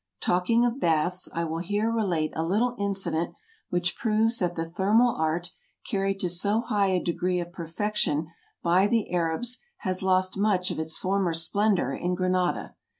Talking of baths, I will here relate a little incident which proves that the thermal art, carried to so high a degree of perfection by the Arabs, has lost much of its former splen dor in Granada.